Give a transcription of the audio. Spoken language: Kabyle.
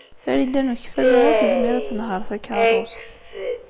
Farida n Ukeffadu ur tezmir ad tenheṛ takeṛṛust.